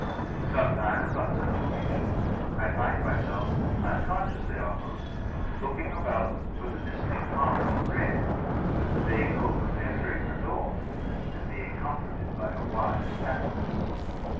Sometimes, on such occasions, I find myself, unconsciously almost, looking about for the mystic mark of red, with the vague hope of entering her door, and being comforted by her wise tenderness.